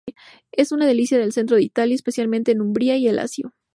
Es una delicia del centro de Italia, especialmente de Umbría y el Lacio.